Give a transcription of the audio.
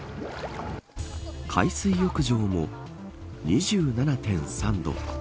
海水浴場も２７．３度。